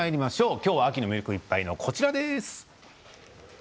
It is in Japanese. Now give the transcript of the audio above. きょうは秋の魅力いっぱいのこちらです。